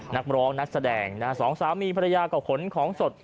นักร้องนักแสดงสองสามีภรรยาก็ขนของสด